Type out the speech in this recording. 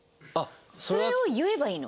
それを言えばいいの。